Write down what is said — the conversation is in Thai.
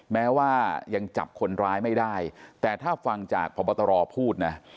แม้ว่ายังจับคนร้ายไม่ได้แต่ถ้าฟังจากพบตรพูดนะ